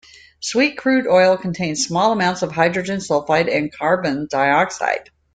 Sweet crude oil contains small amounts of hydrogen sulfide and carbon dioxide.